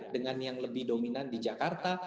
dengan yang lebih dominan di jakarta